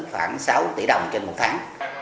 khoảng sáu tỷ đồng trên một tháng